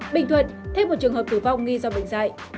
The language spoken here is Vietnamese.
bình thuận thêm một trường hợp tử vong nghi do bệnh dạy